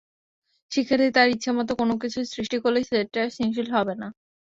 শিক্ষার্থী তার ইচ্ছেমতো কোনো কিছু সৃষ্টি করলেই সেটা সৃজনশীল হবে না।